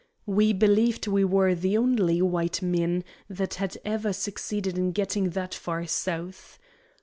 We believed we were the only white men that had ever succeeded in getting that far south.